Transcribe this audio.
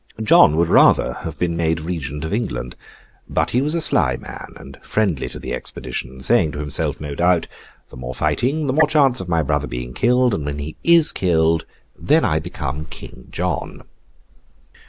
John would rather have been made Regent of England; but he was a sly man, and friendly to the expedition; saying to himself, no doubt, 'The more fighting, the more chance of my brother being killed; and when he is killed, then I become King John!